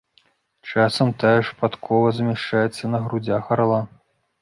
Часам тая ж падкова змяшчаецца на грудзях арла.